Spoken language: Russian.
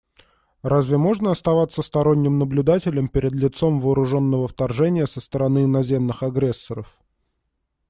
Разве можно оставаться сторонним наблюдателем перед лицом вооруженного вторжения со стороны иноземных агрессоров?